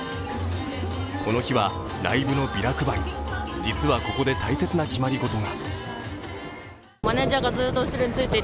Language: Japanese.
この日はライブのビラ配り、実はここで大切な決まり事が。